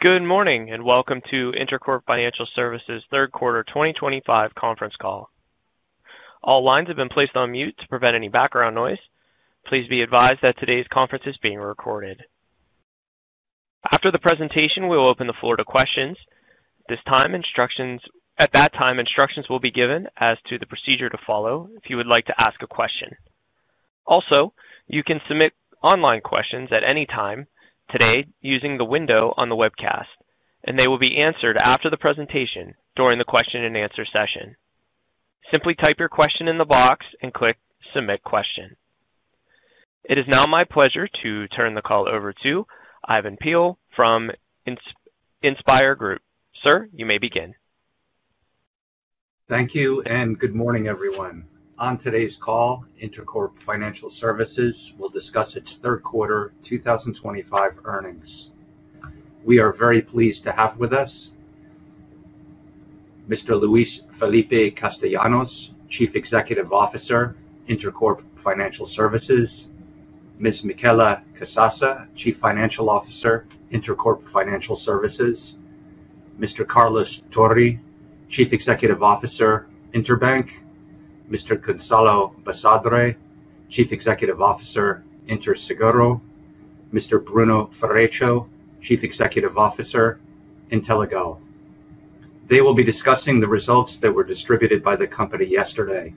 Good morning and welcome to Intercorp Financial Services third quarter 2025 Conference call. All lines have been placed on mute to prevent any background noise. Please be advised that today's conference is being recorded. After the presentation, we'll open the floor to questions. At that time, instructions will be given as to the procedure to follow if you would like to ask a question. Also, you can submit online questions at any time today using the window on the webcast, and they will be answered after the presentation during the question-and-answer session. Simply type your Question in the box and click Submit Question. It is now my pleasure to turn the call over to Ivan Peill from InspIR Group. Sir, you may begin. Thank you and good morning, everyone. On today's call, Intercorp Financial Services will discuss its third quarter 2025 earnings. We are very pleased to have with us Mr. Luis Felipe Castellanos, Chief Executive Officer, Intercorp Financial Services; Ms. Michela Casassa, Chief Financial Officer, Intercorp Financial Services; Mr. Carlos Tori, Chief Executive Officer, Interbank; Mr. Gonzalo Basadre, Chief Executive Officer, Interseguro; Mr. Bruno Ferreccio, Chief Executive Officer, Inteligo. They will be discussing the results that were distributed by the company yesterday.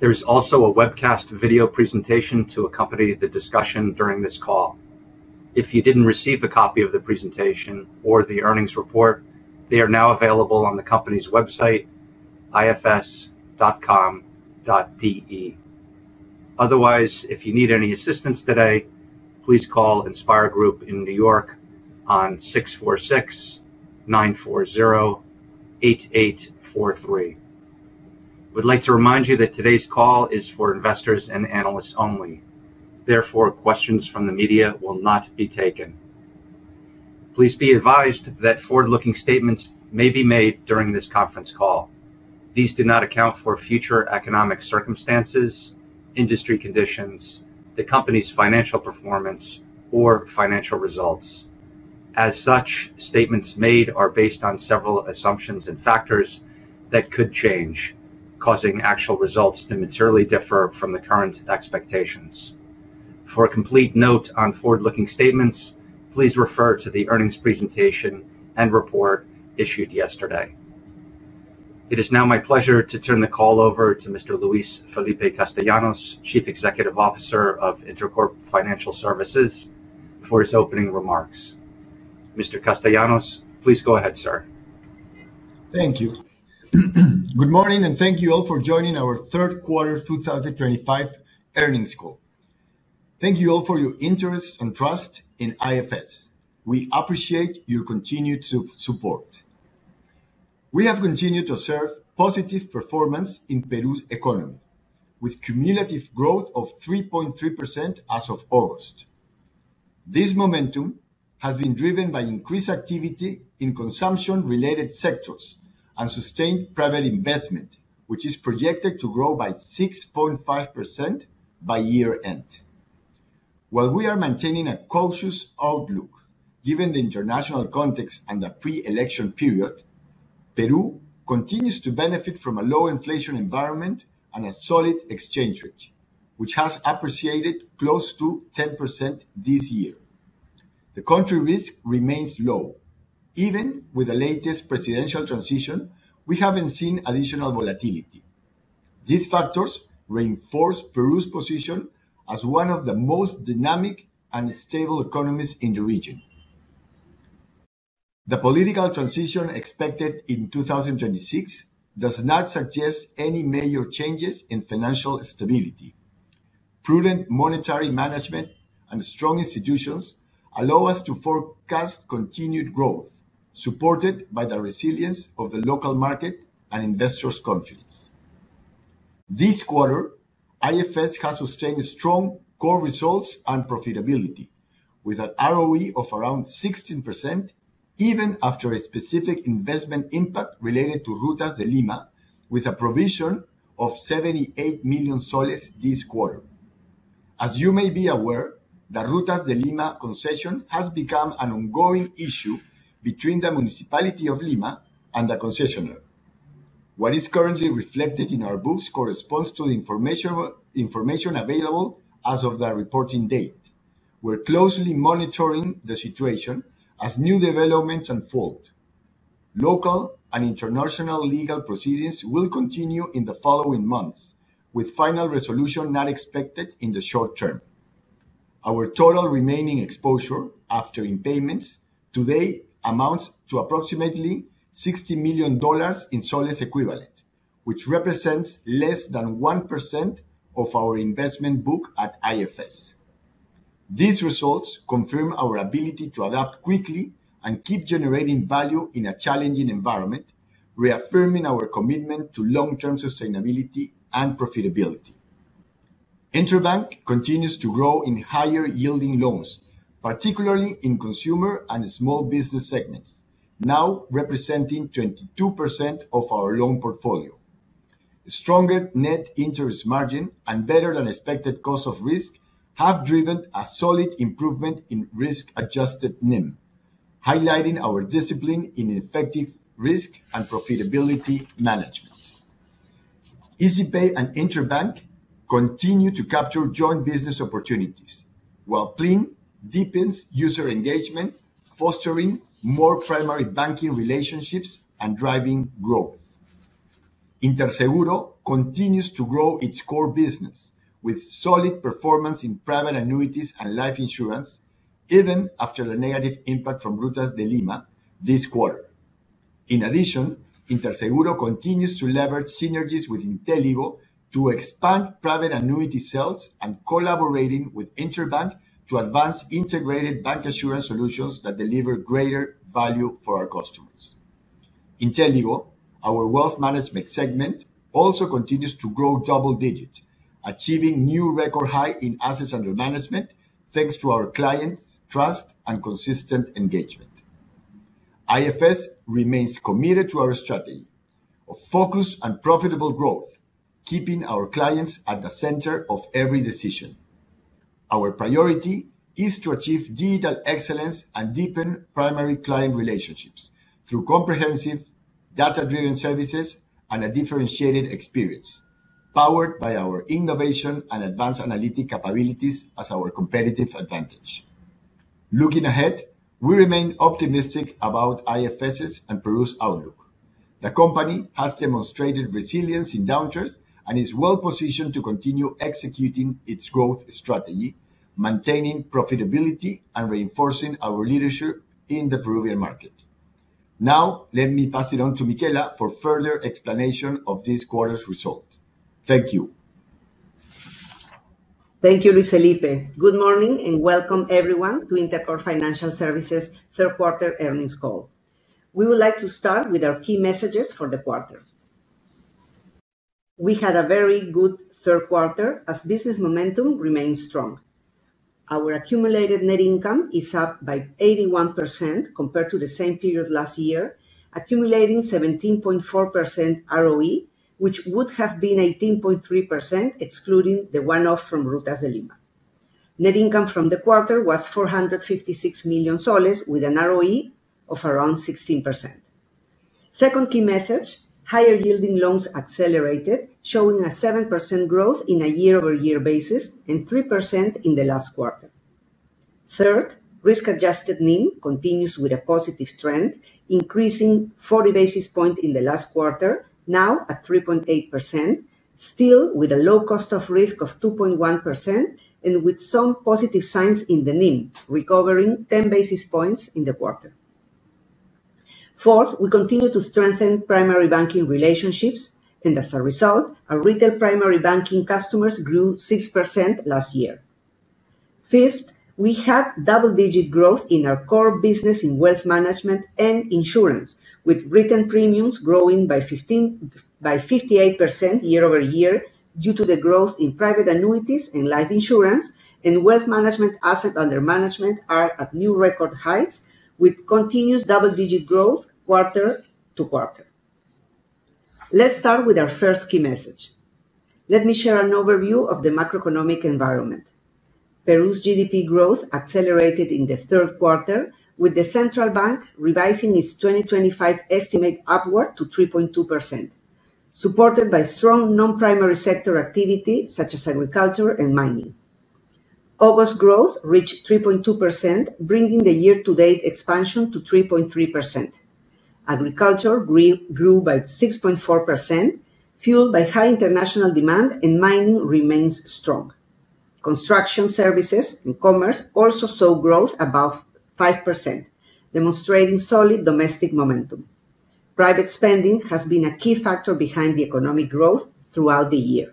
There is also a webcast video presentation to accompany the discussion during this call. If you did not receive a copy of the presentation or the earnings report, they are now available on the company's website, ifs.com.pe. Otherwise, if you need any assistance today, please call InspIR Group in New York on 646-940-8843. We would like to remind you that today's call is for investors and analysts only. Therefore, questions from the media will not be taken. Please be advised that forward-looking statements may be made during this conference call. These do not account for future economic circumstances, industry conditions, the company's financial performance, or financial results. As such, statements made are based on several assumptions and factors that could change, causing actual results to materially differ from the current expectations. For a complete note on forward-looking statements, please refer to the earnings presentation and report issued yesterday. It is now my pleasure to turn the call over to Mr. Luis Felipe Castellanos, Chief Executive Officer of Intercorp Financial Services, for his opening remarks. Mr. Castellanos, please go ahead, sir. Thank you. Good morning and thank you all for joining our third quarter 2025 earnings call. Thank you all for your interest and trust in IFS. We appreciate your continued support. We have continued to observe positive performance in Peru's economy, with cumulative growth of 3.3% as of August. This momentum has been driven by increased activity in consumption-related sectors and sustained private investment, which is projected to grow by 6.5% by year-end. While we are maintaining a cautious outlook given the international context and the pre-election period, Peru continues to benefit from a low inflation environment and a solid exchange rate, which has appreciated close to 10% this year. The country risk remains low. Even with the latest presidential transition, we have not seen additional volatility. These factors reinforce Peru's position as one of the most dynamic and stable economies in the region. The political transition expected in 2026 does not suggest any major changes in financial stability. Prudent monetary management and strong institutions allow us to forecast continued growth, supported by the resilience of the local market and investors' confidence. This quarter, Intercorp Financial Services has sustained strong core results and profitability, with an ROE of around 16%, even after a specific investment impact related to Rutas de Lima, with a provision of PEN 78 million this quarter. As you may be aware, the Rutas de Lima concession has become an ongoing issue between the Municipality of Lima and the concessioner. What is currently reflected in our books corresponds to the information available as of the reporting date. We're closely monitoring the situation as new developments unfold. Local and international legal proceedings will continue in the following months, with final resolution not expected in the short term. Our total remaining exposure after impairments today amounts to approximately $60 million in PEN equivalent, which represents less than 1% of our investment book at IFS. These results confirm our ability to adapt quickly and keep generating value in a challenging environment, reaffirming our commitment to long-term sustainability and profitability. Interbank continues to grow in higher-yielding loans, particularly in consumer and small business segments, now representing 22% of our loan portfolio. Stronger net interest margin and better-than-expected cost of risk have driven a solid improvement in risk-adjusted NIM, highlighting our discipline in effective risk and profitability management. Easy Pay and Interbank continue to capture joint business opportunities, while Plin deepens user engagement, fostering more primary banking relationships and driving growth. Interseguro continues to grow its core business, with solid performance in private annuities and life insurance, even after the negative impact from Rutas de Lima this quarter. In addition, Interseguro continues to leverage synergies with Inteligo to expand private annuity sales and collaborating with Interbank to advance integrated bank assurance solutions that deliver greater value for our customers. Inteligo, our wealth management segment, also continues to grow double-digit, achieving new record highs in assets under management thanks to our clients' trust and consistent engagement. IFS remains committed to our strategy of focused and profitable growth, keeping our clients at the center of every decision. Our priority is to achieve digital excellence and deepen primary client relationships through comprehensive data-driven services and a differentiated experience, powered by our innovation and advanced analytic capabilities as our competitive advantage. Looking ahead, we remain optimistic about IFS's and Peru's outlook. The company has demonstrated resilience in downturns and is well-positioned to continue executing its growth strategy, maintaining profitability, and reinforcing our leadership in the Peruvian market. Now, let me pass it on to Michela for further explanation of this quarter's result. Thank you. Thank you, Luis Felipe. Good morning and welcome, everyone, to Intercorp Financial Services' third quarter earnings call. We would like to start with our key messages for the quarter. We had a very good third quarter as business momentum remains strong. Our accumulated net income is up by 81% compared to the same period last year, accumulating 17.4% ROE, which would have been 18.3% excluding the one-off from Rutas de Lima. Net income from the quarter was PEN 456 million, with an ROE of around 16%. Second key message, higher-yielding loans accelerated, showing a 7% growth on a year-over-year basis and 3% in the last quarter. Third, risk-adjusted NIM continues with a positive trend, increasing 40 basis points in the last quarter, now at 3.8%, still with a low cost of risk of 2.1% and with some positive signs in the NIM, recovering 10 basis points in the quarter. Fourth, we continue to strengthen primary banking relationships, and as a result, our retail primary banking customers grew 6% last year. Fifth, we had double-digit growth in our core business in wealth management and insurance, with retail premiums growing by 58% year-over-year due to the growth in private annuities and life insurance, and wealth management assets under management are at new record highs with continuous double-digit growth quarter to quarter. Let's start with our first key message. Let me share an overview of the macroeconomic environment. Peru's GDP growth accelerated in the third quarter, with the central bank revising its 2025 estimate upward to 3.2%, supported by strong non-primary sector activity such as agriculture and mining. August growth reached 3.2%, bringing the year-to-date expansion to 3.3%. Agriculture grew by 6.4%, fueled by high international demand, and mining remains strong. Construction services and commerce also saw growth above 5%, demonstrating solid domestic momentum. Private spending has been a key factor behind the economic growth throughout the year.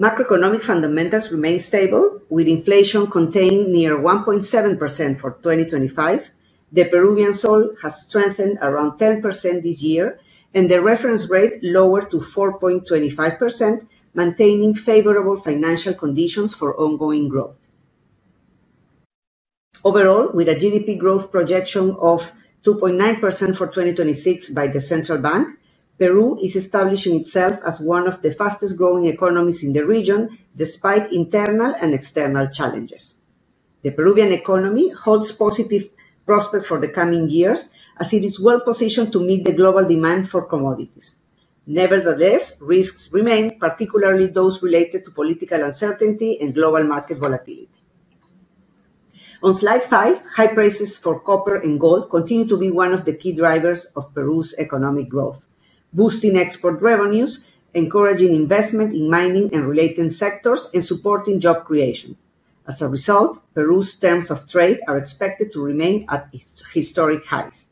Macroeconomic fundamentals remain stable, with inflation contained near 1.7% for 2025. The Peruvian sol has strengthened around 10% this year, and the reference rate lowered to 4.25%, maintaining favorable financial conditions for ongoing growth. Overall, with a GDP growth projection of 2.9% for 2026 by the Central bank, Peru is establishing itself as one of the fastest-growing economies in the region, despite internal and external challenges. The Peruvian economy holds positive prospects for the coming years as it is well-positioned to meet the global demand for commodities. Nevertheless, risks remain, particularly those related to political uncertainty and global market volatility. On slide 5, high prices for copper and gold continue to be one of the key drivers of Peru's economic growth, boosting export revenues, encouraging investment in mining and related sectors, and supporting job creation. As a result, Peru's terms of trade are expected to remain at historic highs.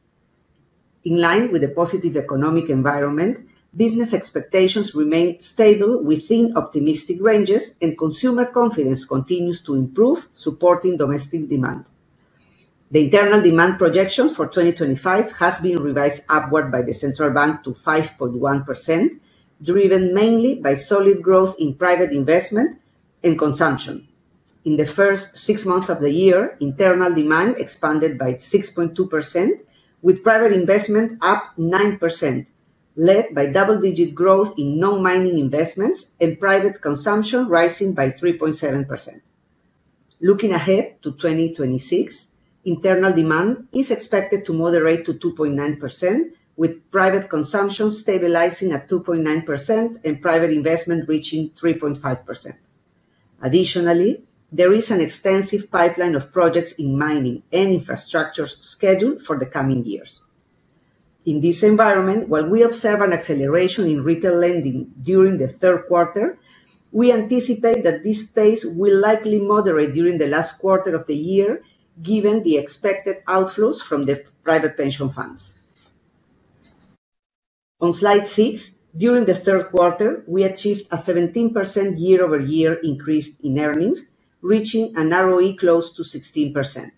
In line with the positive economic environment, business expectations remain stable within optimistic ranges, and consumer confidence continues to improve, supporting domestic demand. The internal demand projection for 2025 has been revised upward by the central bank to 5.1%, driven mainly by solid growth in private investment and consumption. In the first six months of the year, internal demand expanded by 6.2%, with private investment up 9%, led by double-digit growth in Non-Mining Investments and private consumption rising by 3.7%. Looking ahead to 2026, internal demand is expected to moderate to 2.9%, with private consumption stabilizing at 2.9% and private investment reaching 3.5%. Additionally, there is an extensive pipeline of projects in mining and infrastructure scheduled for the coming years. In this environment, while we observe an acceleration in retail lending during the third quarter, we anticipate that this pace will likely moderate during the last quarter of the year, given the expected outflows from the private pension funds. On slide 6, during the third quarter, we achieved a 17% year-over-year increase in earnings, reaching an ROE close to 16%.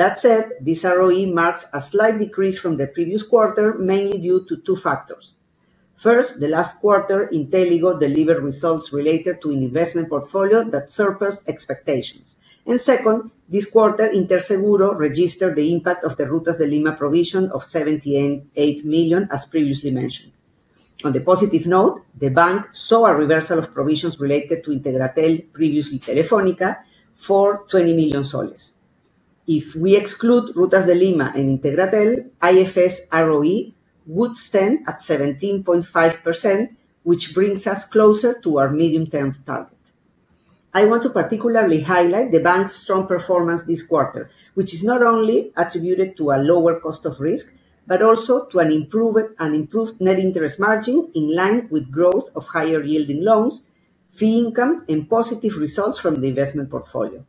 That said, this ROE marks a slight decrease from the previous quarter, mainly due to two factors. First, the last quarter, Inteligo delivered results related to an investment portfolio that surpassed expectations. Second, this quarter, Interseguro registered the impact of the Rutas de Lima provision of PEN 78 million, as previously mentioned. On a positive note, the bank saw a reversal of provisions related to Integratel, previously Telefónica, for PEN 20 million. If we exclude Rutas de Lima and Integratel, IFS' ROE would stand at 17.5%, which brings us closer to our medium-term target. I want to particularly highlight the bank's strong performance this quarter, which is not only attributed to a lower cost of risk, but also to an improved net interest margin in line with growth of higher-yielding loans, fee income, and positive results from the investment portfolio.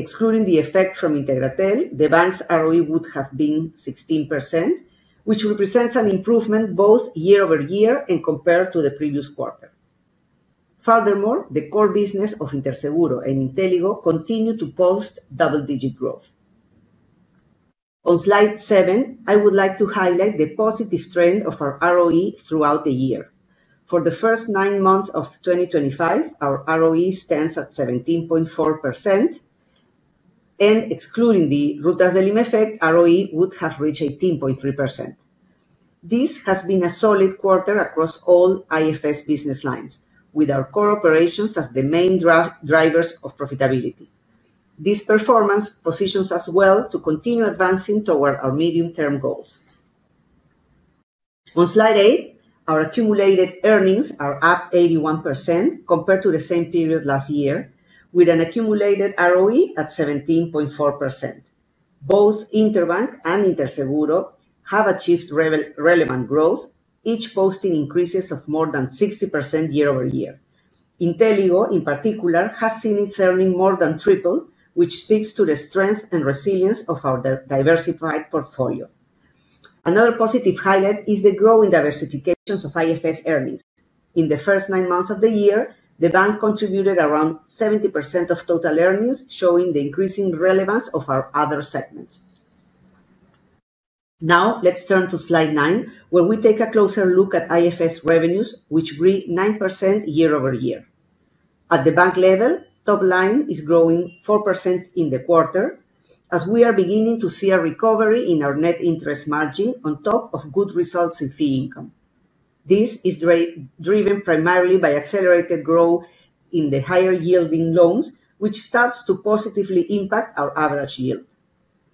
Excluding the effect from Integratel, the bank's ROE would have been 16%, which represents an improvement both year-over-year and compared to the previous quarter. Furthermore, the core business of Interseguro and Inteligo continue to post double-digit growth. On slide 7, I would like to highlight the positive trend of our ROE throughout the year. For the first nine months of 2025, our ROE stands at 17.4%, and excluding the Rutas de Lima effect, ROE would have reached 18.3%. This has been a solid quarter across all IFS business lines, with our core operations as the main drivers of profitability. This performance positions us well to continue advancing toward our medium-term goals. On slide 8, our accumulated earnings are up 81% compared to the same period last year, with an accumulated ROE at 17.4%. Both Interbank and Interseguro have achieved relevant growth, each posting increases of more than 60% year-over-year. Inteligo, in particular, has seen its earnings more than triple, which speaks to the strength and resilience of our diversified portfolio. Another positive highlight is the growing diversification of IFS earnings. In the first nine months of the year, the bank contributed around 70% of total earnings, showing the increasing relevance of our other segments. Now, let's turn to slide 9, where we take a closer look at IFS revenues, which grew 9% year-over-year. At the bank level, top line is growing 4% in the quarter, as we are beginning to see a recovery in our net interest margin on top of good results in fee income. This is driven primarily by accelerated growth in the higher-yielding loans, which starts to positively impact our average yield.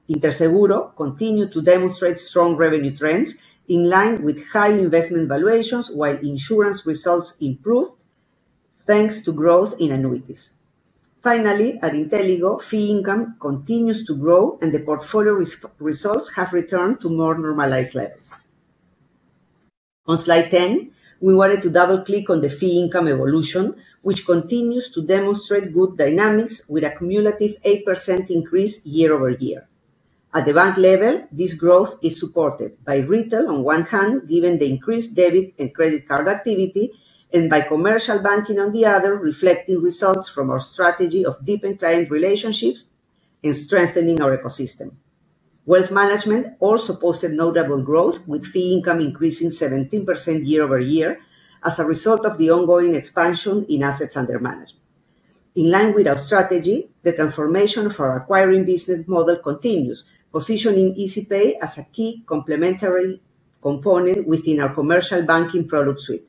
Interseguro continues to demonstrate strong revenue trends in line with high investment valuations, while insurance results improved thanks to growth in annuities. Finally, at Inteligo, fee income continues to grow, and the portfolio results have returned to more normalized levels. On slide 10, we wanted to double-click on the fee income evolution, which continues to demonstrate good dynamics with a cumulative 8% increase year-over-year. At the bank level, this growth is supported by retail on one hand, given the increased debit and credit card activity, and by commercial banking on the other, reflecting results from our strategy of deepened client relationships and strengthening our ecosystem. Wealth management also posted notable growth, with fee income increasing 17% year-over-year as a result of the ongoing expansion in assets under management. In line with our strategy, the transformation of our acquiring business model continues, positioning EasyPay as a key complementary component within our commercial banking product suite.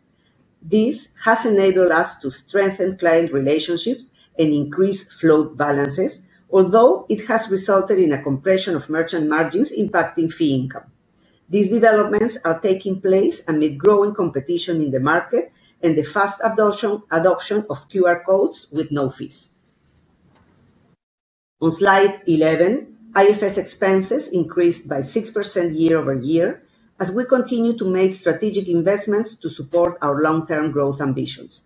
This has enabled us to strengthen client relationships and increase float balances, although it has resulted in a compression of merchant margins impacting fee income. These developments are taking place amid growing competition in the market and the fast adoption of QR codes with no fees. On slide 11, IFS expenses increased by 6% year-over-year as we continue to make strategic investments to support our long-term growth ambitions.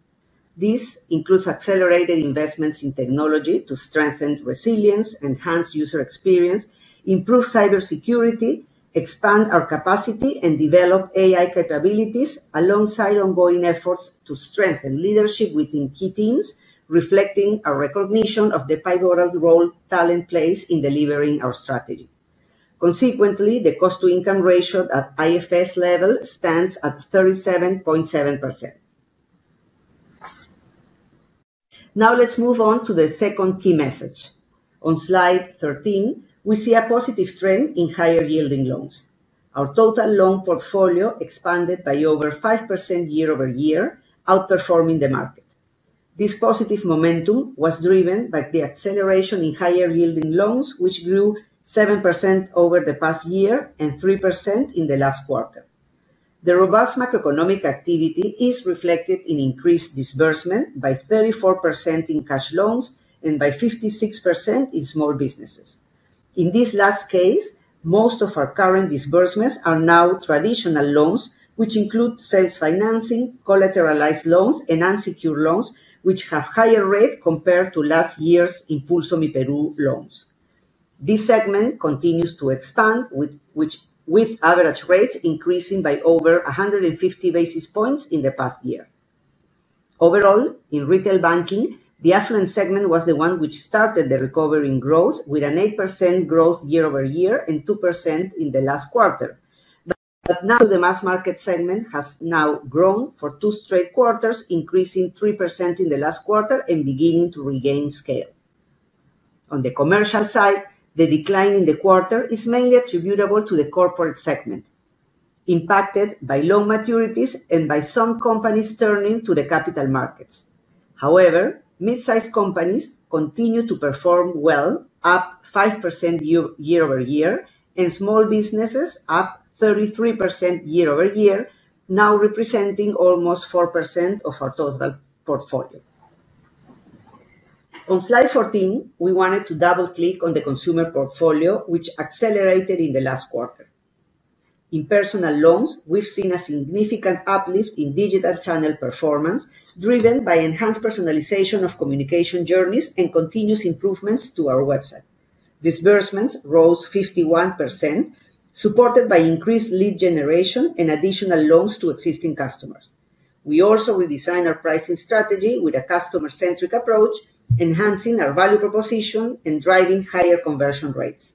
This includes accelerated investments in technology to strengthen resilience, enhance user experience, improve cybersecurity, expand our capacity, and develop AI capabilities, alongside ongoing efforts to strengthen leadership within key teams, reflecting our recognition of the pivotal role talent plays in delivering our strategy. Consequently, the cost-to-income ratio at IFS level stands at 37.7%. Now, let's move on to the second key message. On slide 13, we see a positive trend in higher-yielding loans. Our total loan portfolio expanded by over 5% year-over-year, outperforming the market. This positive momentum was driven by the acceleration in higher-yielding loans, which grew 7% over the past year and 3% in the last quarter. The robust macroeconomic activity is reflected in increased disbursement by 34% in cash loans and by 56% in small businesses. In this last case, most of our current disbursements are now traditional loans, which include sales financing, collateralized loans, and unsecured loans, which have higher rates compared to last year's Impulso Mi Perú loans. This segment continues to expand, with average rates increasing by over 150 basis points in the past year. Overall, in retail banking, the affluence segment was the one which started the recovering growth, with an 8% growth year-over-year and 2% in the last quarter. The mass market segment has now grown for two straight quarters, increasing 3% in the last quarter and beginning to regain scale. On the commercial side, the decline in the quarter is mainly attributable to the corporate segment, impacted by loan maturities and by some companies turning to the capital markets. However, mid-sized companies continue to perform well, up 5% year-over-year, and small businesses up 33% year-over-year, now representing almost 4% of our total portfolio. On slide 14, we wanted to double-click on the consumer portfolio, which accelerated in the last quarter. In personal loans, we've seen a significant uplift in digital channel performance, driven by enhanced personalization of communication journeys and continuous improvements to our website. Disbursements rose 51%, supported by increased lead generation and additional loans to existing customers. We also redesigned our pricing strategy with a customer-centric approach, enhancing our value proposition and driving higher conversion rates.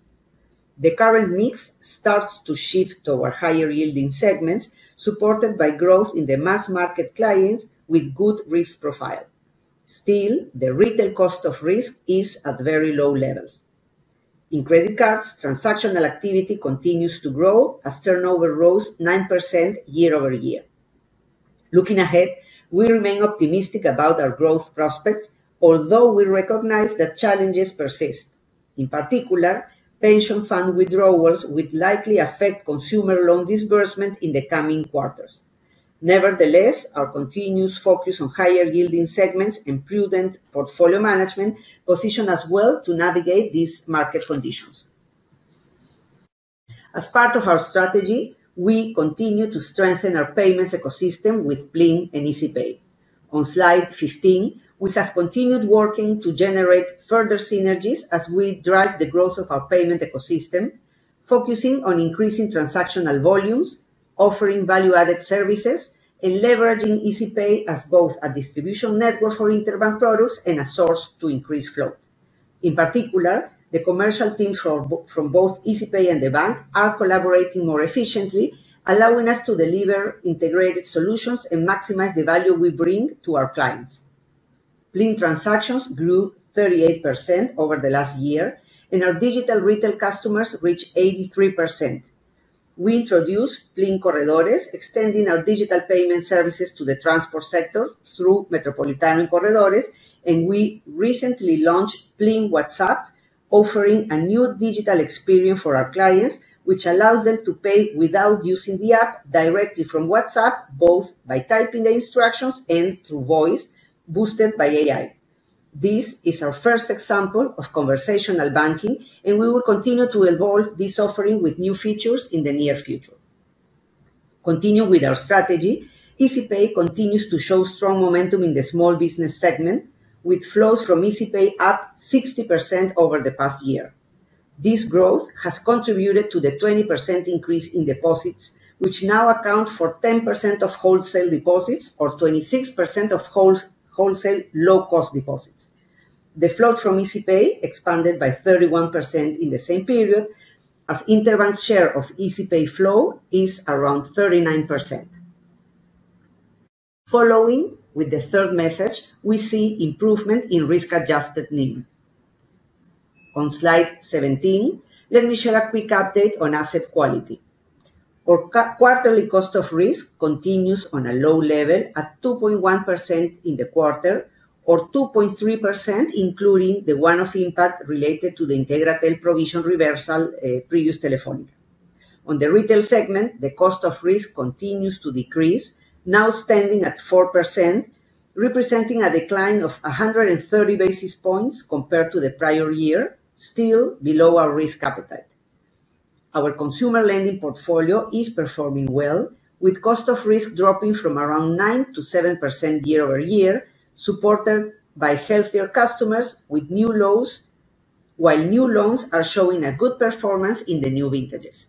The current mix starts to shift toward higher-yielding segments, supported by growth in the mass market clients with good risk profile. Still, the retail cost of risk is at very low levels. In credit cards, transactional activity continues to grow as turnover rose 9% year-over-year. Looking ahead, we remain optimistic about our growth prospects, although we recognize that challenges persist. In particular, pension fund withdrawals would likely affect consumer loan disbursement in the coming quarters. Nevertheless, our continuous focus on higher-yielding segments and prudent portfolio management position us well to navigate these market conditions. As part of our strategy, we continue to strengthen our payments ecosystem with PLIN and EasyPay. On slide 15, we have continued working to generate further synergies as we drive the growth of our payment ecosystem, focusing on increasing transactional volumes, offering value-added services, and leveraging EasyPay as both a distribution network for Interbank products and a source to increase float. In particular, the commercial teams from both EasyPay and the bank are collaborating more efficiently, allowing us to deliver integrated solutions and maximize the value we bring to our clients. PLIN transactions grew 38% over the last year, and our digital retail customers reached 83%. We introduced PLIN Corredores, extending our digital payment services to the transport sector through Metropolitan Corredores, and we recently launched PLIN WhatsApp, offering a new digital experience for our clients, which allows them to pay without using the app directly from WhatsApp, both by typing the instructions and through voice, boosted by AI. This is our first example of conversational banking, and we will continue to evolve this offering with new features in the near future. Continuing with our strategy, EasyPay continues to show strong momentum in the small business segment, with flows from EasyPay up 60% over the past year. This growth has contributed to the 20% increase in deposits, which now account for 10% of wholesale deposits or 26% of wholesale low-cost deposits. The flows from EasyPay expanded by 31% in the same period, as Interbank's share of EasyPay flow is around 39%. Following with the third message, we see improvement in risk-adjusted NIM. On slide 17, let me share a quick update on asset quality. Our quarterly cost of risk continues on a low level at 2.1% in the quarter, or 2.3%, including the one-off impact related to the Integratel provision reversal previous Telefónica. On the retail segment, the cost of risk continues to decrease, now standing at 4%, representing a decline of 130 basis points compared to the prior year, still below our risk appetite. Our consumer lending portfolio is performing well, with cost of risk dropping from around 9% to 7% year-over-year, supported by healthier customers with new lows, while new loans are showing a good performance in the new vintages.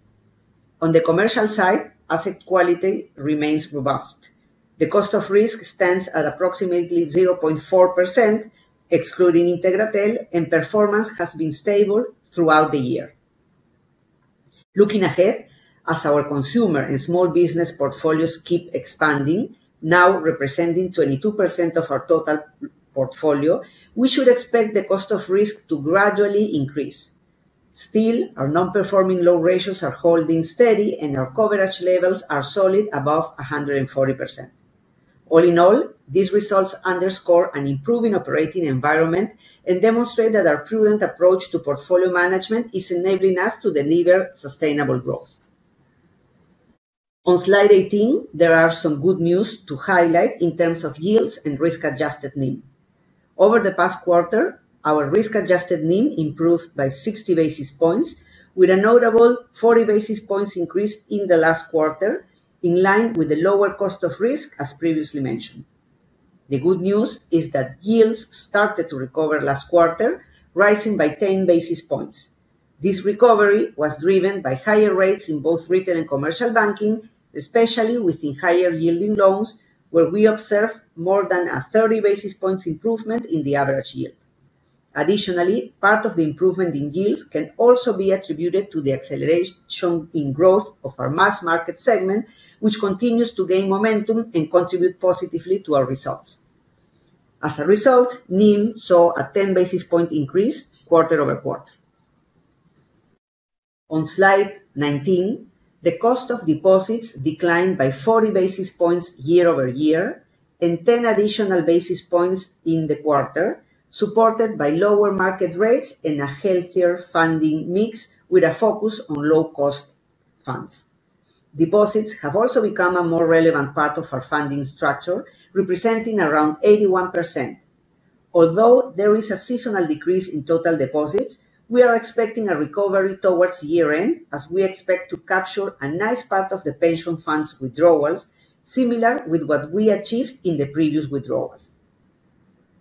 On the commercial side, asset quality remains robust. The cost of risk stands at approximately 0.4%, excluding Integratel, and performance has been stable throughout the year. Looking ahead, as our consumer and small business portfolios keep expanding, now representing 22% of our total portfolio, we should expect the cost of risk to gradually increase. Still, our non-performing loan ratios are holding steady, and our coverage levels are solid above 140%. All in all, these results underscore an improving operating environment and demonstrate that our prudent approach to portfolio management is enabling us to deliver sustainable growth. On slide 18, there are some good news to highlight in terms of yields and risk-adjusted NIM. Over the past quarter, our risk-adjusted NIM improved by 60 basis points, with a notable 40 basis points increase in the last quarter, in line with the lower cost of risk, as previously mentioned. The good news is that yields started to recover last quarter, rising by 10 basis points. This recovery was driven by higher rates in both retail and commercial banking, especially within higher-yielding loans, where we observed more than a 30 basis points improvement in the average yield. Additionally, part of the improvement in yields can also be attributed to the acceleration in growth of our mass market segment, which continues to gain momentum and contribute positively to our results. As a result, NIM saw a 10 basis point increase quarter over quarter. On slide 19, the cost of deposits declined by 40 basis points year-over-year and 10 additional basis points in the quarter, supported by lower market rates and a healthier funding mix with a focus on low-cost funds. Deposits have also become a more relevant part of our funding structure, representing around 81%. Although there is a seasonal decrease in total deposits, we are expecting a recovery towards year-end, as we expect to capture a nice part of the pension funds withdrawals, similar to what we achieved in the previous withdrawals.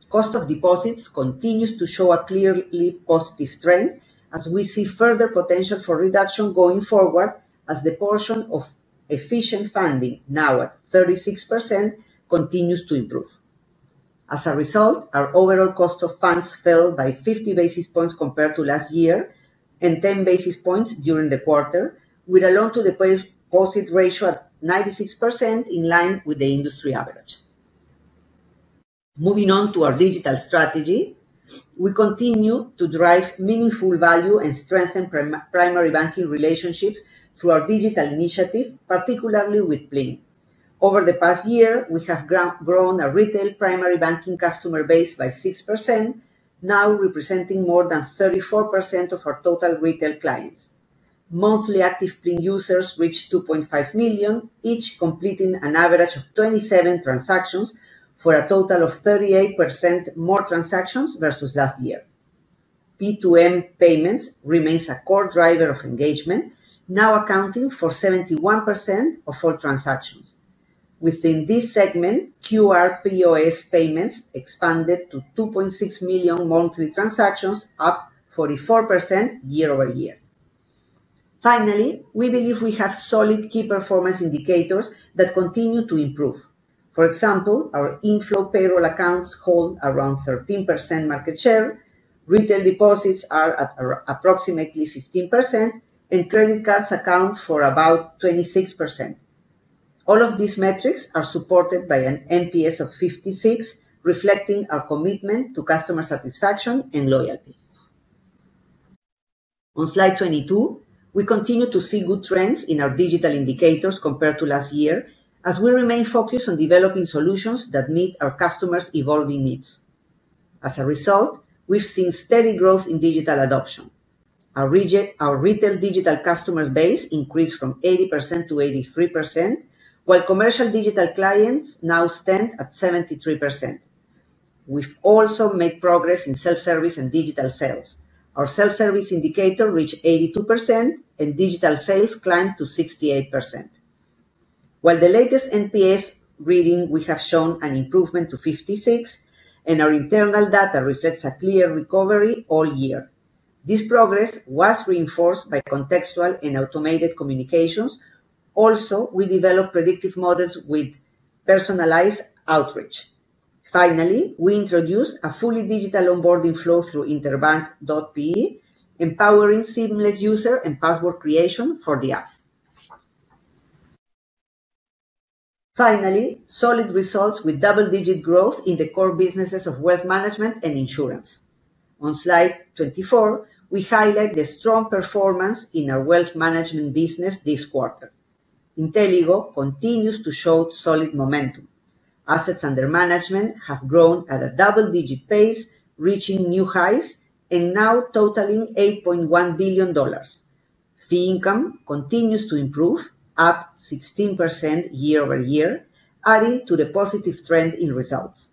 Cost of deposits continues to show a clearly positive trend, as we see further potential for reduction going forward, as the portion of efficient funding, now at 36%, continues to improve. As a result, our overall cost of funds fell by 50 basis points compared to last year and 10 basis points during the quarter, with a loan-to-deposit ratio at 96%, in line with the industry average. Moving on to our digital strategy, we continue to drive meaningful value and strengthen primary banking relationships through our digital initiative, particularly with PLIN. Over the past year, we have grown our retail primary banking customer base by 6%, now representing more than 34% of our total retail clients. Monthly active PLIN users reached 2.5 million, each completing an average of 27 transactions for a total of 38% more transactions versus last year. P2M payments remains a core driver of engagement, now accounting for 71% of all transactions. Within this segment, QR POS payments expanded to 2.6 million monthly transactions, up 44% year-over-year. Finally, we believe we have solid key performance indicators that continue to improve. For example, our inflow payroll accounts hold around 13% market share, retail deposits are at approximately 15%, and credit cards account for about 26%. All of these metrics are supported by an NPS of 56, reflecting our commitment to customer satisfaction and loyalty. On slide 22, we continue to see good trends in our digital indicators compared to last year, as we remain focused on developing solutions that meet our customers' evolving needs. As a result, we've seen steady growth in digital adoption. Our retail digital customers base increased from 80% to 83%, while commercial digital clients now stand at 73%. We've also made progress in self-service and digital sales. Our self-service indicator reached 82%, and digital sales climbed to 68%. While the latest NPS reading we have shown an improvement to 56, and our internal data reflects a clear recovery all year. This progress was reinforced by contextual and automated communications. Also, we developed predictive models with personalized outreach. Finally, we introduced a fully digital onboarding flow through Interbank.pe, empowering seamless user and password creation for the app. Finally, solid results with double-digit growth in the core businesses of wealth management and insurance. On slide 24, we highlight the strong performance in our wealth management business this quarter. Inteligo continues to show solid momentum. Assets under management have grown at a double-digit pace, reaching new highs and now totaling $8.1 billion. Fee income continues to improve, up 16% year-over-year, adding to the positive trend in results.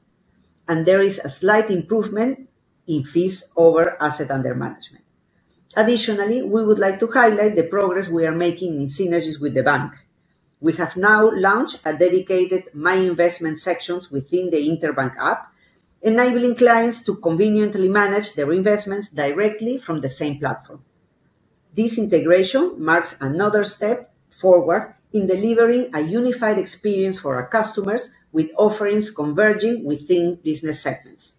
There is a slight improvement in fees over asset under management. Additionally, we would like to highlight the progress we are making in synergies with the bank. We have now launched a dedicated My Investment section within the Interbank app, enabling clients to conveniently manage their investments directly from the same platform. This integration marks another step forward in delivering a unified experience for our customers, with offerings converging within business segments.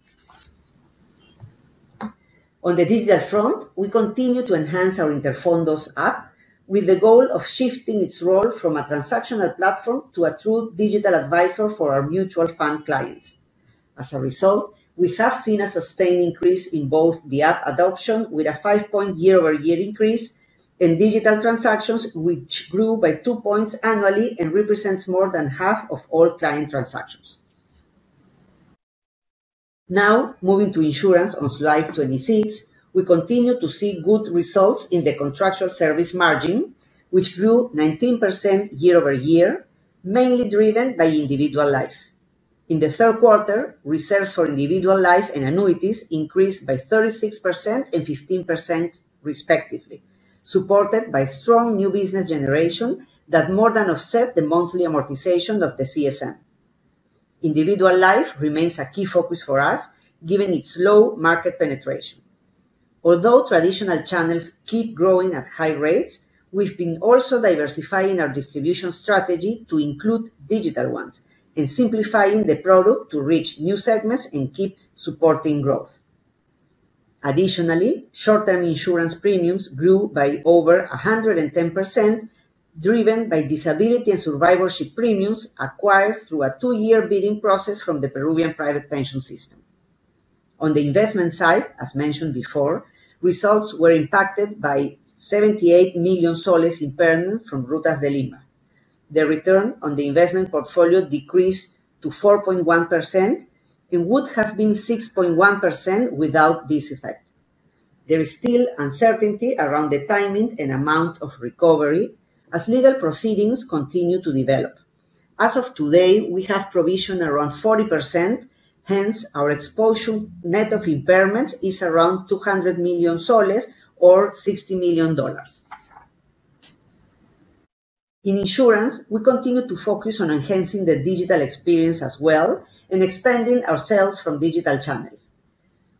On the digital front, we continue to enhance our Interfondos app, with the goal of shifting its role from a transactional platform to a true digital advisor for our mutual fund clients. As a result, we have seen a sustained increase in both the app adoption, with a 5-point year-over-year increase, and digital transactions, which grew by 2 points annually and represents more than half of all client transactions. Now, moving to insurance on slide 26, we continue to see good results in the contractual service margin, which grew 19% year-over-year, mainly driven by individual life. In the third quarter, reserves for individual life and annuities increased by 36% and 15%, respectively, supported by strong new business generation that more than offset the monthly amortization of the CSM. Individual life remains a key focus for us, given its low market penetration. Although traditional channels keep growing at high rates, we've been also diversifying our distribution strategy to include digital ones and simplifying the product to reach new segments and keep supporting growth. Additionally, short-term insurance premiums grew by over 110%, driven by disability and survivorship premiums acquired through a two-year bidding process from the Peruvian private pension system. On the investment side, as mentioned before, results were impacted by PEN 78 million impairment from Rutas de Lima. The return on the investment portfolio decreased to 4.1% and would have been 6.1% without this effect. There is still uncertainty around the timing and amount of recovery as legal proceedings continue to develop. As of today, we have provisioned around 40%; hence, our exposure net of impairments is around PEN 200 million or $60 million. In insurance, we continue to focus on enhancing the digital experience as well and expanding our sales from digital channels.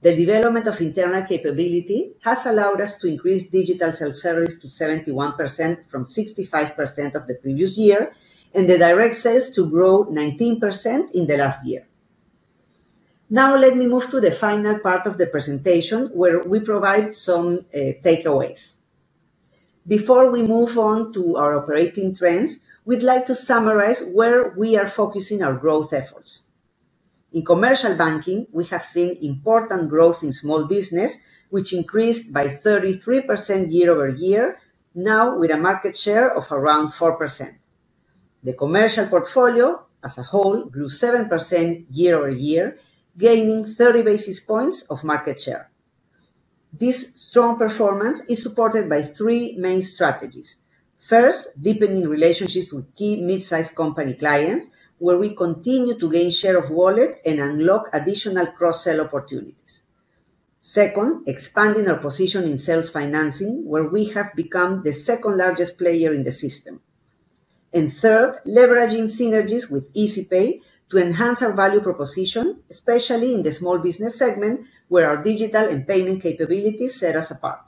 The development of internal capability has allowed us to increase digital self-service to 71% from 65% of the previous year, and the direct sales to grow 19% in the last year. Now, let me move to the final part of the presentation, where we provide some takeaways. Before we move on to our operating trends, we'd like to summarize where we are focusing our growth efforts. In commercial banking, we have seen important growth in small business, which increased by 33% year-over-year, now with a market share of around 4%. The commercial portfolio, as a whole, grew 7% year-over-year, gaining 30 basis points of market share. This strong performance is supported by three main strategies. First, deepening relationships with key mid-sized company clients, where we continue to gain share of wallet and unlock additional cross-sale opportunities. Second, expanding our position in sales financing, where we have become the second largest player in the system. Third, leveraging synergies with EasyPay to enhance our value proposition, especially in the small business segment, where our digital and payment capabilities set us apart.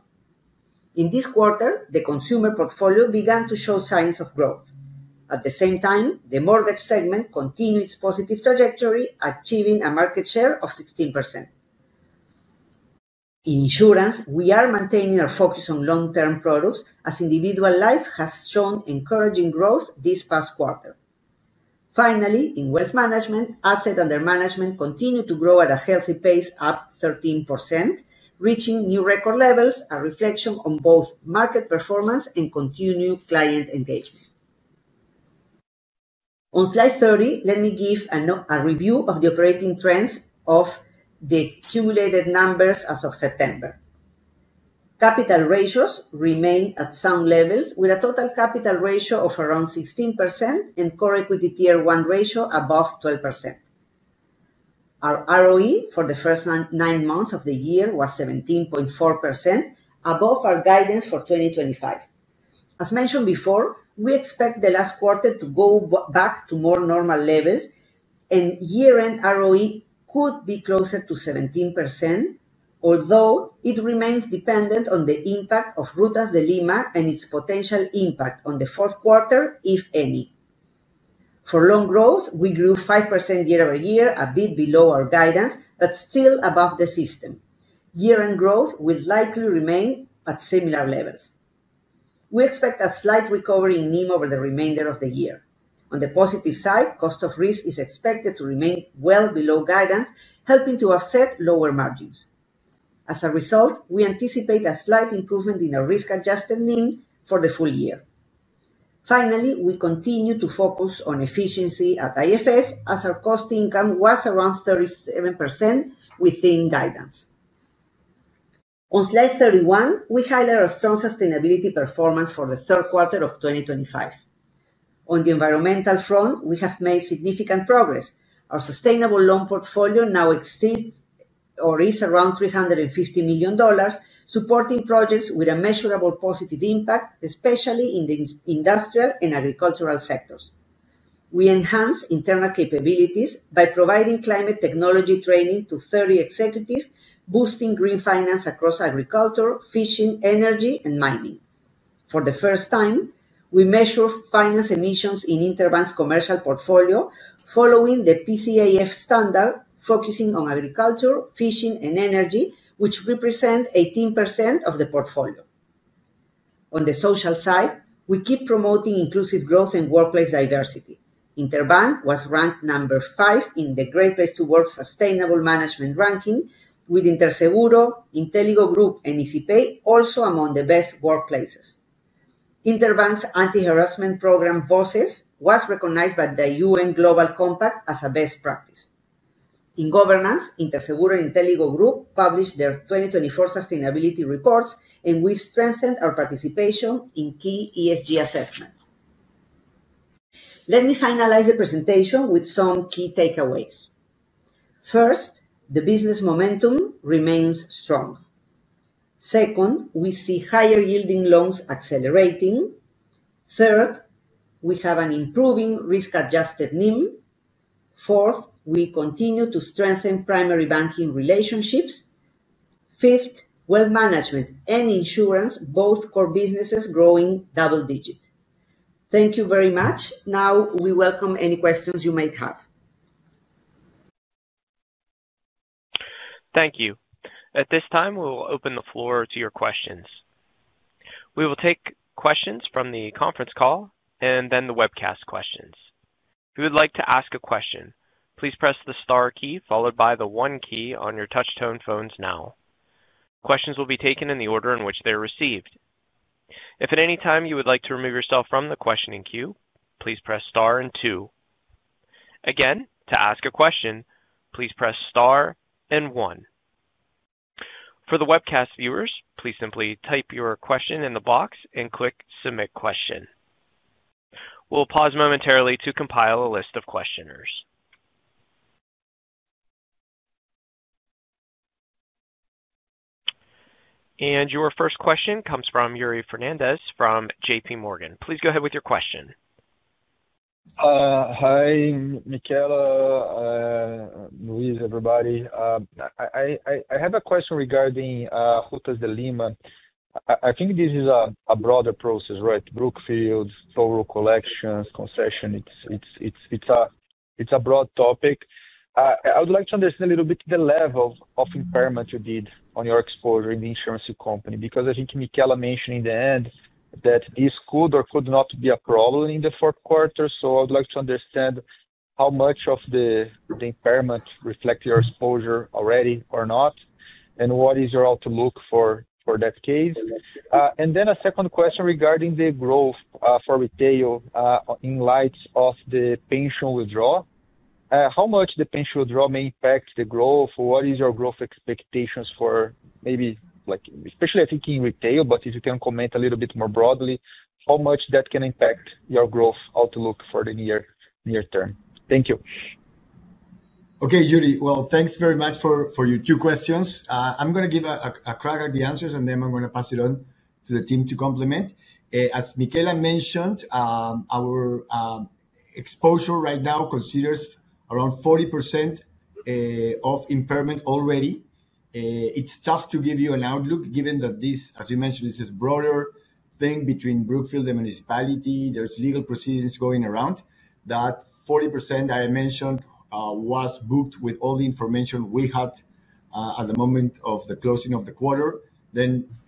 In this quarter, the consumer portfolio began to show signs of growth. At the same time, the mortgage segment continued its positive trajectory, achieving a market share of 16%. In insurance, we are maintaining our focus on long-term products, as individual life has shown encouraging growth this past quarter. Finally, in wealth management, assets under management continued to grow at a healthy pace, up 13%, reaching new record levels, a reflection on both market performance and continued client engagement. On slide 30, let me give a review of the operating trends of the cumulated numbers as of September. Capital ratios remain at sound levels, with a total capital ratio of around 16% and core equity tier 1 ratio above 12%. Our ROE for the first nine months of the year was 17.4%, above our guidance for 2025. As mentioned before, we expect the last quarter to go back to more normal levels, and year-end ROE could be closer to 17%, although it remains dependent on the impact of Rutas de Lima and its potential impact on the fourth quarter, if any. For loan growth, we grew 5% year-over-year, a bit below our guidance, but still above the system. Year-end growth will likely remain at similar levels. We expect a slight recovery in NIM over the remainder of the year. On the positive side, cost of risk is expected to remain well below guidance, helping to offset lower margins. As a result, we anticipate a slight improvement in our risk-adjusted NIM for the full year. Finally, we continue to focus on efficiency at IFS, as our cost income was around 37% within guidance. On slide 31, we highlight our strong sustainability performance for the third quarter of 2025. On the environmental front, we have made significant progress. Our sustainable loan portfolio now exceeds or is around $350 million, supporting projects with a measurable positive impact, especially in the industrial and agricultural sectors. We enhance internal capabilities by providing climate technology training to 30 executives, boosting green finance across agriculture, fishing, energy, and mining. For the first time, we measure finance emissions in Interbank's commercial portfolio, following the PCIF standard, focusing on agriculture, fishing, and energy, which represent 18% of the portfolio. On the social side, we keep promoting inclusive growth and workplace diversity. Interbank was ranked number five in the Great Place to Work sustainable management ranking, with Interseguro, Inteligo, and EasyPay also among the best workplaces. Interbank's anti-harassment program, VOCES, was recognized by the UN Global Compact as a best practice. In governance, Interseguro and Inteligo published their 2024 sustainability reports, and we strengthened our participation in key ESGSS assessments. Let me finalize the presentation with some key takeaways. First, the business momentum remains strong. Second, we see higher-yielding loans accelerating. Third, we have an improving risk-adjusted NIM. Fourth, we continue to strengthen primary banking relationships. Fifth, wealth management and insurance, both core businesses growing double-digit. Thank you very much. Now, we welcome any questions you might have. Thank you. At this time, we will open the floor to your questions. We will take questions from the conference call and then the webcast questions. If you would like to ask a question, please press the star key followed by the one key on your touch-tone phones now. Questions will be taken in the order in which they're received. If at any time you would like to remove yourself from the questioning queue, please press star and two. Again, to ask a question, please press star and one. For the webcast viewers, please simply type your question in the box and click submit question. We'll pause momentarily to compile a list of questioners. Your first question comes from Yuri Fernandes from JPMorgan. Please go ahead with your question. Hi, Michela, Luis, everybody. I have a question regarding Rutas de Lima. I think this is a broader process, right? Brookfield, thorough collections, concession. It's a broad topic. I would like to understand a little bit the level of impairment you did on your exposure in the insurance company because I think Michela mentioned in the end that this could or could not be a problem in the fourth quarter. I would like to understand how much of the impairment reflects your exposure already or not, and what is your outlook for that case. A second question regarding the growth for retail in light of the pension withdrawal. How much the pension withdrawal may impact the growth? What is your growth expectations for maybe, especially I think in retail, but if you can comment a little bit more broadly, how much that can impact your growth outlook for the near term? Thank you. Okay, Yuri. Thanks very much for your two questions. I'm going to give a crack at the answers, and then I'm going to pass it on to the team to complement. As Michela mentioned, our exposure right now considers around 40% of impairment already. It's tough to give you an outlook given that this, as you mentioned, this is a broader thing between Brookfield and municipality. There are legal proceedings going around. That 40% I mentioned was booked with all the information we had at the moment of the closing of the quarter.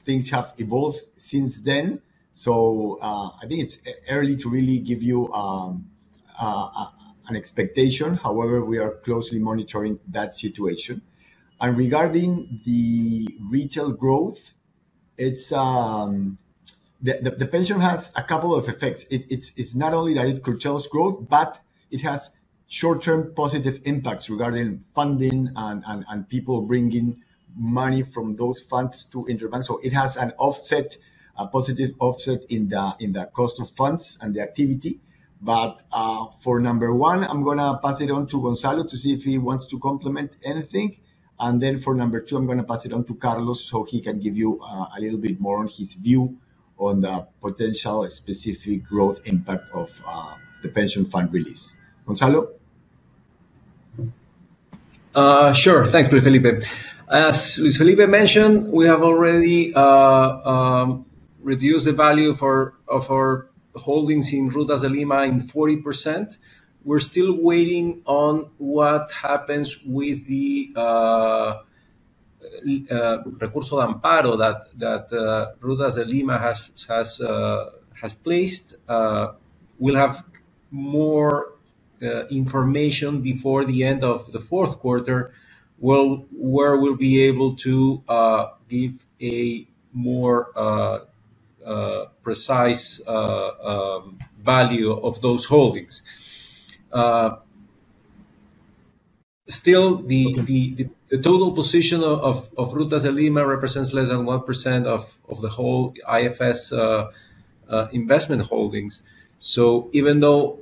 Things have evolved since then. I think it's early to really give you an expectation. However, we are closely monitoring that situation. Regarding the retail growth, the pension has a couple of effects. It's not only that it curtails growth, but it has short-term positive impacts regarding funding and people bringing money from those funds to Interbank. It has an offset, a positive offset in the cost of funds and the activity. For number one, I'm going to pass it on to Gonzalo to see if he wants to complement anything. For number two, I'm going to pass it on to Carlos so he can give you a little bit more on his view on the potential specific growth impact of the pension fund release. Gonzalo? Sure. Thanks, Luis Felipe. As Luis Felipe mentioned, we have already reduced the value of our holdings in Rutas de Lima by 40%. We're still waiting on what happens with the recurso de amparo that Rutas de Lima has placed. We'll have more information before the end of the fourth quarter where we'll be able to give a more precise value of those holdings. Still, the total position of Rutas de Lima represents less than 1% of the whole IFS investment holdings. Even though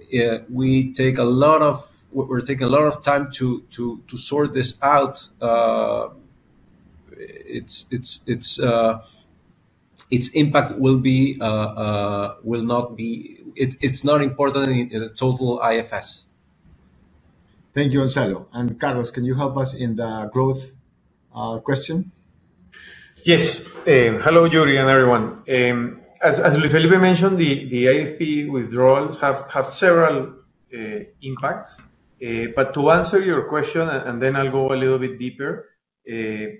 we're taking a lot of time to sort this out, its impact will not be important in the total IFS. Thank you, Gonzalo. Carlos, can you help us in the growth question? Yes. Hello, Yuri and everyone. As Luis Felipe mentioned, the IFP withdrawals have several impacts. To answer your question, and then I'll go a little bit deeper, the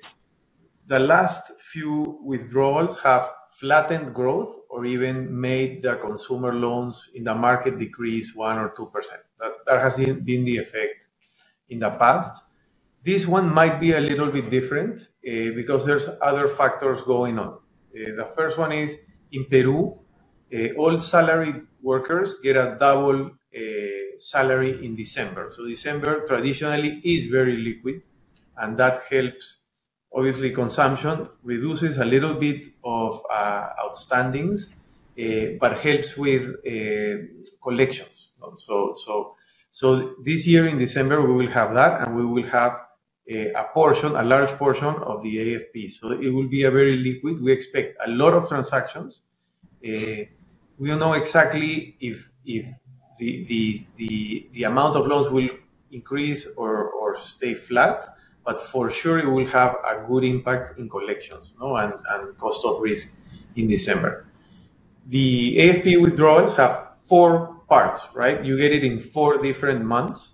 last few withdrawals have flattened growth or even made the consumer loans in the market decrease 1% or 2%. That has been the effect in the past. This one might be a little bit different because there are other factors going on. The first one is in Peru, all salaried workers get a double salary in December. December, traditionally, is very liquid, and that helps, obviously, consumption reduces a little bit of outstandings, but helps with collections. This year, in December, we will have that, and we will have a portion, a large portion of the IFP. It will be very liquid. We expect a lot of transactions. We do not know exactly if the amount of loans will increase or stay flat, but for sure, it will have a good impact in collections and cost of risk in December. The IFP withdrawals have four parts, right? You get it in four different months,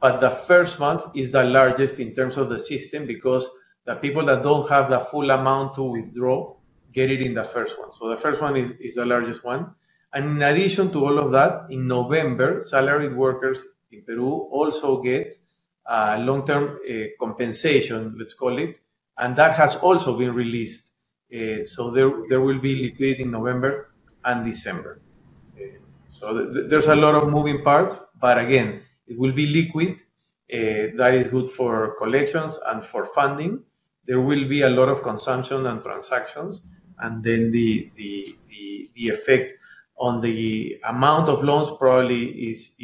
but the first month is the largest in terms of the system because the people that do not have the full amount to withdraw get it in the first one. The first one is the largest one. In addition to all of that, in November, salaried workers in Peru also get long-term compensation, let's call it, and that has also been released. There will be liquidity in November and December. There are a lot of moving parts, but again, it will be liquid. That is good for collections and for funding. There will be a lot of consumption and transactions, and then the effect on the amount of loans probably is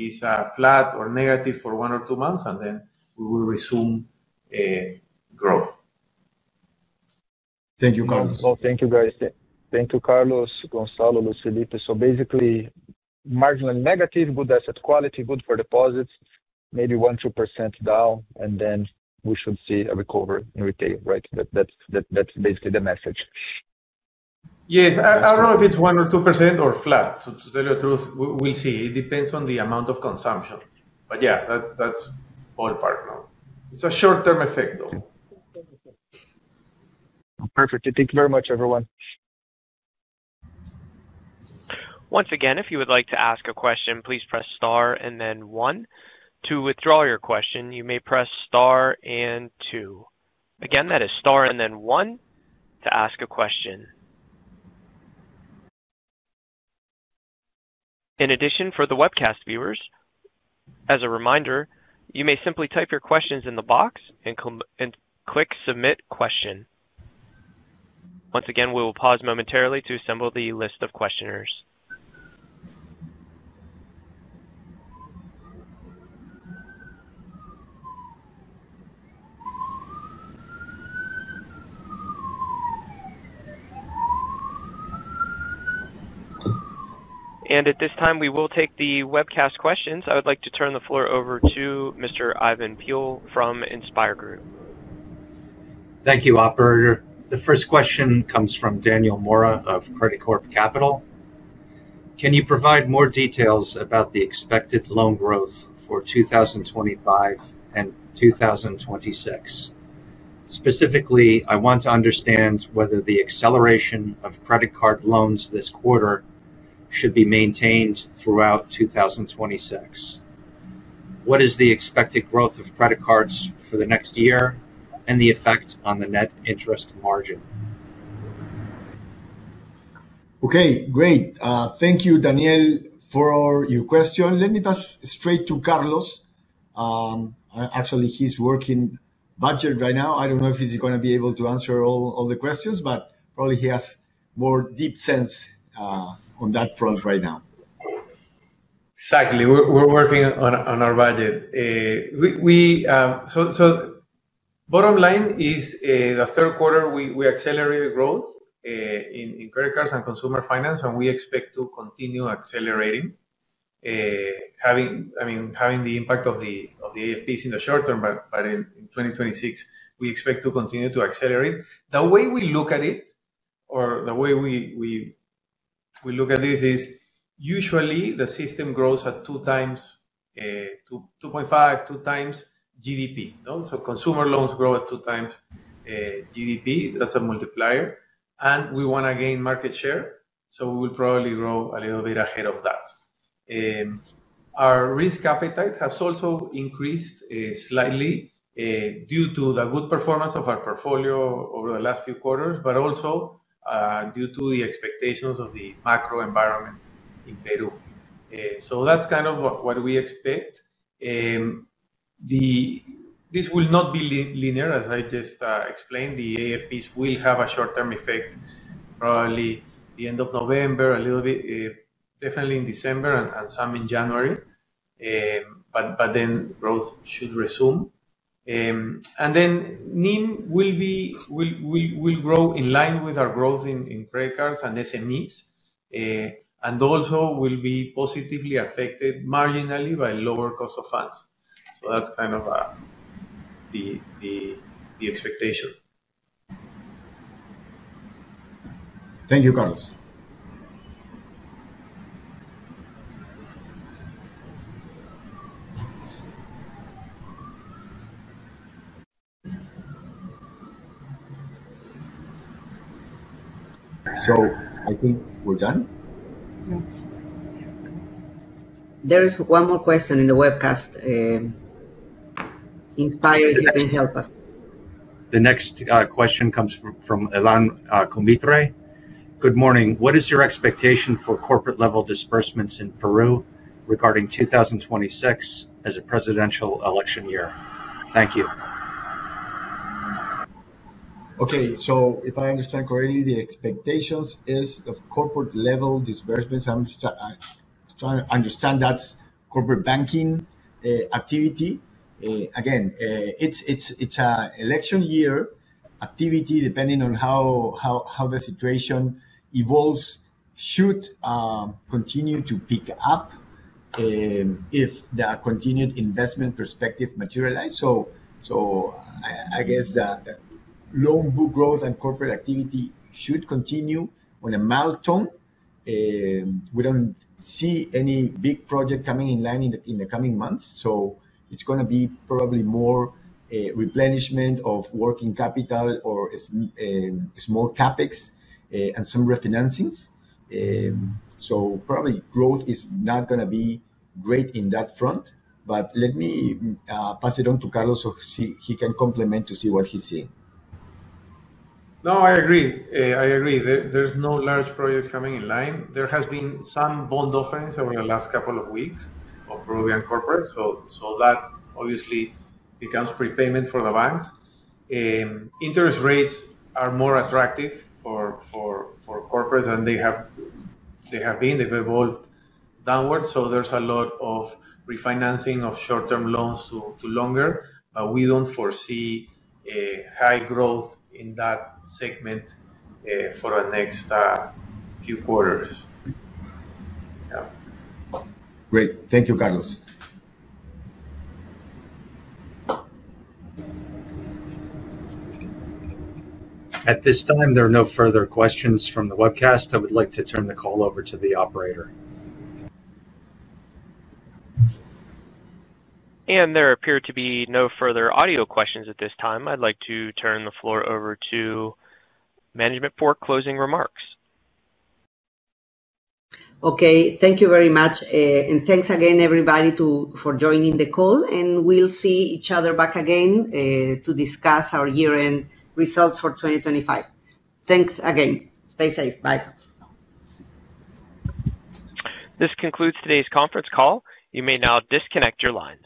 flat or negative for one or two months, and then we will resume growth. Thank you, Carlos. Thank you very much. Thank you, Carlos, Gonzalo, Luis Felipe. So basically, marginally negative, good asset quality, good for deposits, maybe 1%-2% down, and then we should see a recovery in retail, right? That is basically the message. Yes. I do not know if it is 1% or 2% or flat. To tell you the truth, we will see. It depends on the amount of consumption. But yeah, that is ballpark now. It is a short-term effect, though. Perfect. Thank you very much, everyone. Once again, if you would like to ask a question, please press star and then one. To withdraw your question, you may press star and two. Again, that is star and then one to ask a question. In addition, for the webcast viewers, as a reminder, you may simply type your questions in the box and click submit question. Once again, we will pause momentarily to assemble the list of questioners. At this time, we will take the webcast questions. I would like to turn the floor over to Mr. Ivan Peill from InspIR Group. Thank you, Operator. The first question comes from Daniel Mora of Credicorp Capital. Can you provide more details about the expected loan growth for 2025 and 2026? Specifically, I want to understand whether the acceleration of credit card loans this quarter should be maintained throughout 2026. What is the expected growth of credit cards for the next year and the effect on the net interest margin? Okay. Great. Thank you, Daniel, for your question. Let me pass straight to Carlos. Actually, he's working budget right now. I don't know if he's going to be able to answer all the questions, but probably he has more deep sense on that front right now. Exactly. We're working on our budget. Bottom line is the third quarter, we accelerated growth in credit cards and consumer finance, and we expect to continue accelerating. I mean, having the impact of the IFP's in the short term, but in 2026, we expect to continue to accelerate. The way we look at it, or the way we look at this is usually the system grows at 2.5, 2 times GDP. Consumer loans grow at 2 times GDP. That's a multiplier. We want to gain market share. We will probably grow a little bit ahead of that. Our risk appetite has also increased slightly due to the good performance of our portfolio over the last few quarters, but also due to the expectations of the macro environment in Peru. That is kind of what we expect. This will not be linear, as I just explained. The IFPs will have a short-term effect probably the end of November, a little bit, definitely in December, and some in January. Growth should resume. NIM will grow in line with our growth in credit cards and SME's, and also will be positively affected marginally by lower cost of funds. That is kind of the expectation. Thank you, Carlos. I think we are done. There is one more question in the webcast. InspIR if you can help us. The next question comes from Elan Comitre. Good morning. What is your expectation for corporate-level disbursements in Peru regarding 2026 as a presidential election year? Thank you. Okay. If I understand correctly, the expectation is of corporate-level disbursements. I'm trying to understand if that's corporate banking activity. Again, it's an election year activity depending on how the situation evolves. It should continue to pick up if the continued investment perspective materializes. I guess loan book growth and corporate activity should continue on a mild tone. We do not see any big project coming in line in the coming months. It is probably going to be more replenishment of working capital or small CapEx and some refinancings. Growth is probably not going to be great in that front. Let me pass it on to Carlos so he can complement to see what he is seeing. No, I agree. I agree. There are no large projects coming in line. There has been some bond offerings over the last couple of weeks of Peruvian corporates. That obviously becomes prepayment for the banks. Interest rates are more attractive for corporates than they have been. They have evolved downward. There is a lot of refinancing of short-term loans to longer. We do not foresee high growth in that segment for the next few quarters. Yeah. Great. Thank you, Carlos. At this time, there are no further questions from the webcast. I would like to turn the call over to the operator. There appear to be no further audio questions at this time. I would like to turn the floor over to management for closing remarks. Okay. Thank you very much. Thanks again, everybody, for joining the call. We will see each other back again to discuss our year-end results for 2025. Thanks again. Stay safe. Bye. This concludes today's conference call. You may now disconnect your lines.